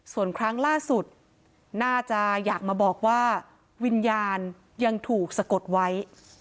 ส่วนครั้งล่าสุดน่าจะอยากมาบอกว่าวิญญาณยังถูกสะกดไว้